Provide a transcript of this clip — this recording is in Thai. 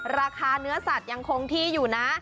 ราคาเนื้อสัตว์ยังคงที่อยู่นะ